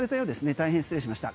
大変失礼しました。